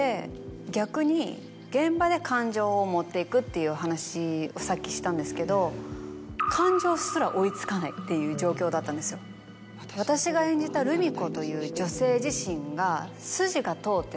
逆に現場で感情を持っていくっていう話をさっきしたんですけど感情すら追い付かないっていう状況だったんですよ。という女性自身が。